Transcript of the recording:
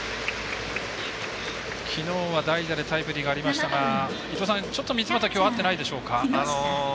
きのうは代打でタイムリーがありましたがちょっと三ツ俣、きょう合っていないでしょうか。